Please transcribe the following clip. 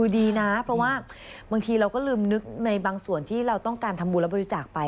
ดีนะเพราะว่าบางทีเราก็ลืมนึกในบางส่วนที่เราต้องการทำบุญแล้วบริจาคไป